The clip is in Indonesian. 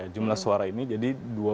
jumlah suara ini jadi dua puluh empat